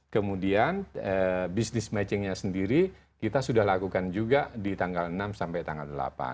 kemudian bisnis matchingnya sendiri kita sudah lakukan juga di tanggal enam sampai tanggal delapan